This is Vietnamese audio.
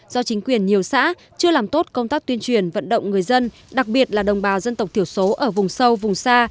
do chính quyền nhiều xã chưa làm tốt công tác tuyên truyền vận động người dân đặc biệt là đồng bào dân tộc thiểu số ở vùng sâu vùng xa